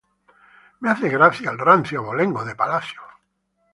Me hace gracia el rancio abolengo de palacio